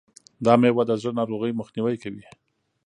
دا مېوه د زړه ناروغیو مخنیوی کوي.